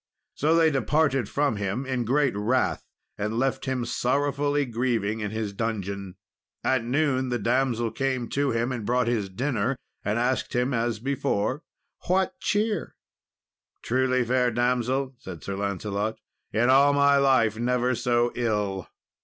So they departed from him in great wrath, and left him sorrowfully grieving in his dungeon. At noon the damsel came to him and brought his dinner, and asked him as before, "What cheer?" "Truly, fair damsel," said Sir Lancelot, "in all my life never so ill."